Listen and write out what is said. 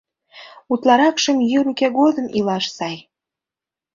Утларакшым йӱр уке годым илаш сай.